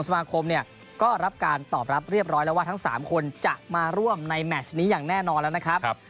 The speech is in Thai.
สมาคมเนี่ยก็รับการตอบรับเรียบร้อยแล้วว่าทั้ง๓คนจะมาร่วมในแมชนี้อย่างแน่นอนแล้วนะครับ